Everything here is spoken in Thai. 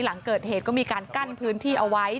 หลังเกิดเหตุก็มีการกั้นพื้นที่เอาไว้